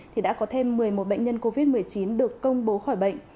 thêm một mươi một bệnh nhân covid một mươi chín được công bố khỏi bệnh